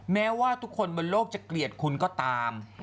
แม้ว่าทุกคนบนโลกจะเกลียดคุณก็ตาม